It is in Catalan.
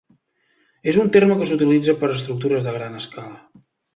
És un terme que s'utilitza per estructures de gran escala.